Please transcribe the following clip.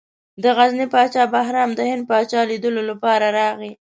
د غزني پاچا بهرام د هند پاچا لیدلو لپاره راغی.